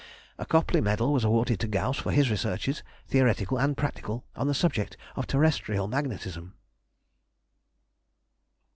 A Copley Medal was awarded to Gauss for his researches, theoretical and practical, on the subject of terrestrial magnetism.